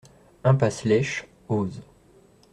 Impasse Léche, Eauze